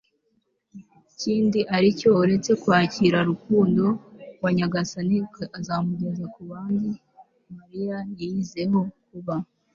kindi aricyo uretse kwakira rukundo wa nyagasani akazamugeza ku bandi. mariya yiyiziho kuba